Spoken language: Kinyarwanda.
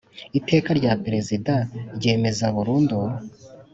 Iteka rya Perezida ryemeza burundu